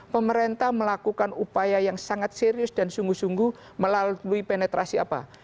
pemerintah melakukan upaya yang sangat serius dan sungguh sungguh melalui penetrasi apa